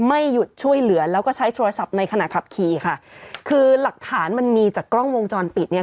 ไม่หยุดช่วยเหลือแล้วก็ใช้โทรศัพท์ในขณะขับขี่ค่ะคือหลักฐานมันมีจากกล้องวงจรปิดเนี่ย